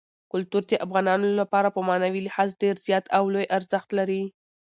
کلتور د افغانانو لپاره په معنوي لحاظ ډېر زیات او لوی ارزښت لري.